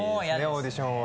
オーディションは。